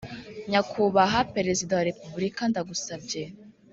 nyakubaha perezida wa repuburika ndagusabye